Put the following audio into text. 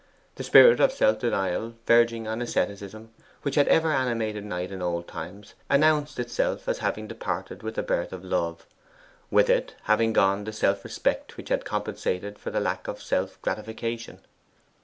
The spirit of self denial, verging on asceticism, which had ever animated Knight in old times, announced itself as having departed with the birth of love, with it having gone the self respect which had compensated for the lack of self gratification.